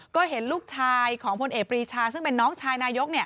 ก็เห็นลูกชายของพลเอกปรีชาซึ่งเป็นน้องชายนายก